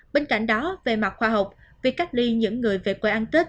bên cạnh đó về mặt khoa học việc cách ly những người về quê ăn tết